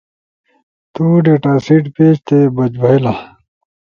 تو ڈیٹاسیٹ پیج تے بج بھئی لا